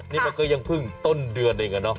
นี่มันก็ยังพึ่งต้นเดือนเองนะ